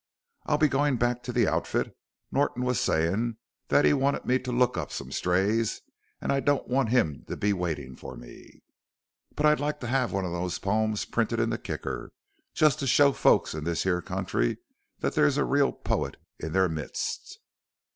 "I'll be goin' back to the outfit; Norton was sayin' that he wanted me to look up some strays an' I don't want him to be waitin' for me. But I'd like to have one of them pomes printed in the Kicker just to show the folks in this here country that there's a real pote in their midst."